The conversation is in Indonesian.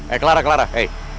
eh clara clara eh